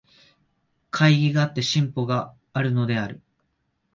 懐疑があって進歩があるのである。